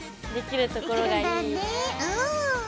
できるところがいいね。